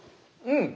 うん！